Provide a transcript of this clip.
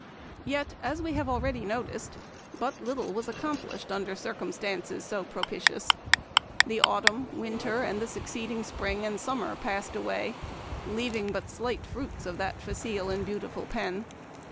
Yet, as we have already noticed, but little was accomplished under circumstances so pro pitious. The autumn, winter, and the succeed ing spring and summer passed away, leaving but slight fruits of that facile and beautiful pen.